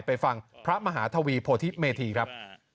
ไปฟังพระมหาทวีโพธิเมธีครับ